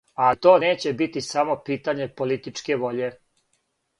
Али то неће бити само питање политичке воље.